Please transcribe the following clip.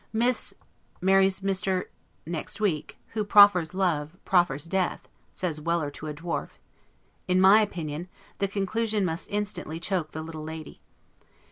Miss marries Mr. next week. WHO PROFFERS LOVE, PROFFERS DEATH, says Weller to a dwarf: in my opinion, the conclusion must instantly choak the little lady.